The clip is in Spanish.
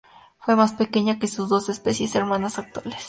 Fue más pequeña que sus dos especies hermanas actuales.